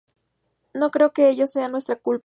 No creo que ellos sean nuestra culpa.